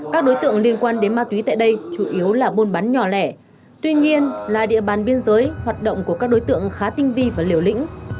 các đối tượng liên quan đến ma túy tại đây chủ yếu là buôn bán nhỏ lẻ tuy nhiên là địa bàn biên giới hoạt động của các đối tượng khá tinh vi và liều lĩnh